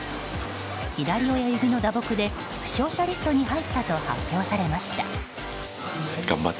左親指の打撲で負傷者リストに入ったと発表されました。